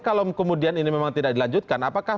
kalau kemudian ini memang tidak dilanjutkan apakah